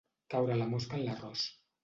Caure la mosca en l'arròs.